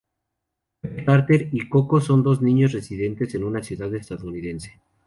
Pepe Carter y Coco son dos niños residentes en una ciudad estadounidense.